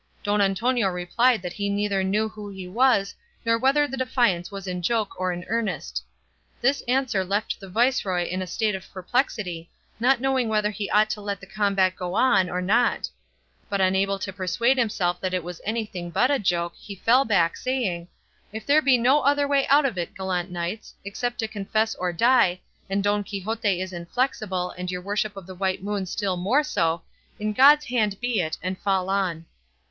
Don Antonio replied that he neither knew who he was nor whether the defiance was in joke or in earnest. This answer left the viceroy in a state of perplexity, not knowing whether he ought to let the combat go on or not; but unable to persuade himself that it was anything but a joke he fell back, saying, "If there be no other way out of it, gallant knights, except to confess or die, and Don Quixote is inflexible, and your worship of the White Moon still more so, in God's hand be it, and fall on."